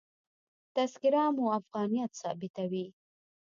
تذکره مو افغانیت ثابتوي.